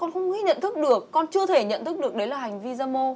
khốn nạn lắm